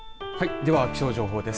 では気象情報です。